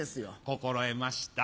心得ました。